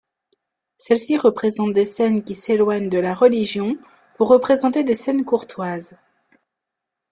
Celles-ci représente des scènes qui s'éloignent de la religion pour représenter des scènes courtoises.